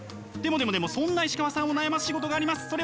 でもでもでもそんな石川さんを悩ます仕事があります。